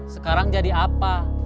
sekarang jadi apa